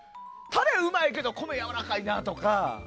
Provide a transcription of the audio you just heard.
タレうまいけど米やわらかいなとか。